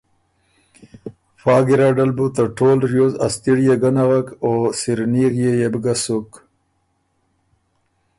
فا ګیرډل بُو ته ټول ریوز ا ستِيړيې ګۀ نغک او سِرنیغيې يې بو ګۀ سُک۔